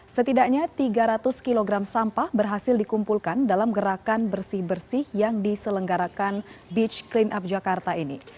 setidaknya tiga ratus kg sampah berhasil dikumpulkan dalam gerakan bersih bersih yang diselenggarakan beach clean up jakarta ini